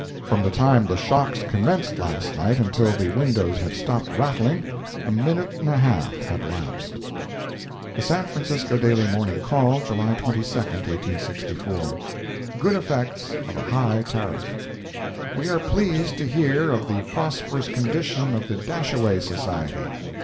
From the time the shocks commenced last night, until the windows had stopped rattling, a minute and a half had elapsed. The San Francisco Daily Morning Call, July 22, 1864 GOOD EFFECTS OF A HIGH TARIFF We are pleased to hear of the prosperous condition of the Dashaway Society.